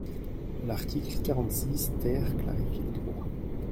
L’article quarante-six ter clarifie le droit.